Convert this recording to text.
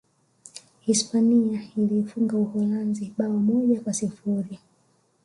Hispania iliifunga Uholanzi bao moja kwa sifuri